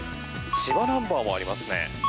千葉ナンバーもありますね。